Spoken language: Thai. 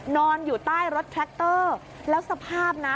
นอนอยู่ใต้รถแทรคเตอร์แล้วสภาพนะ